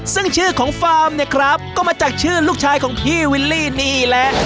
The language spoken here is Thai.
ซึ่งชื่อของฟาร์มเนี่ยครับก็มาจากชื่อลูกชายของพี่วิลลี่นี่แหละ